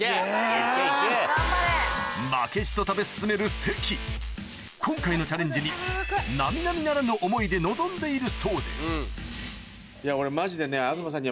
負けじと食べ進める関今回のチャレンジにで臨んでいるそうで俺マジでね。